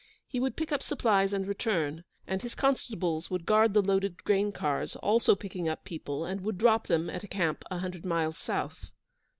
He would pick up supplies and return, and his constables would guard the loaded grain cars, also picking up people, and would drop them at a camp a hundred miles south.